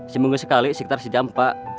seminggu sekali sekitar sejam pak